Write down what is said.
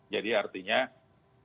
jadi artinya ini harus perlu dibatasi